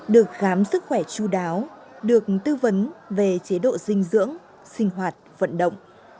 được khám sức khỏe chú đáo được tư vấn về chế độ dinh dưỡng sinh hoạt vận động